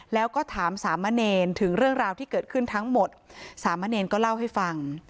แล้วก็ถามสามเณรถึงเรื่องราวที่เกิดขึ้นทั้งหมดสามะเนรก็เล่าให้ฟัง